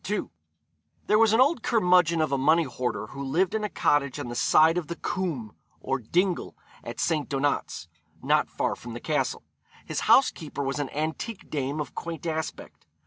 II. There was an old curmudgeon of a money hoarder who lived in a cottage on the side of the cwm, or dingle, at St. Donat's, not far from the Castle. His housekeeper was an antique dame of quaint aspect.